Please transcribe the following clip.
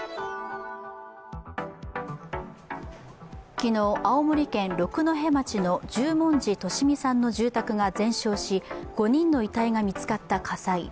昨日、青森県六戸町の十文字利美さんの住宅が全焼し、５人の遺体が見つかった火災。